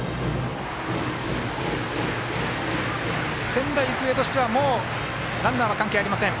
仙台育英としてはもうランナーは関係ありません。